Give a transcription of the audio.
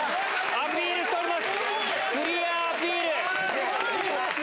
アピールしております。